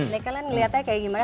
nih kalian ngeliatnya kayak gimana